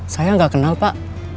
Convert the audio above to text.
saya gak kenal pak